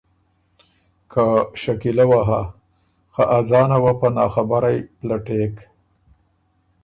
که شکیلۀ وه هۀ خه ا ځانه وه په ناخبرئ پلټېک